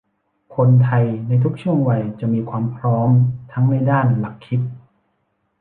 คนไทยในทุกช่วงวัยจะมีความพร้อมทั้งในด้านหลักคิด